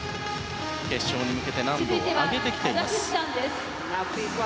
決勝に向けて難度を上げてきています。